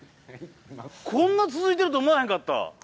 こんな続いてると思わへんかった。